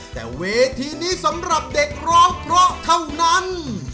แต่เวทีนี้สำหรับเด็กร้องเพราะเท่านั้น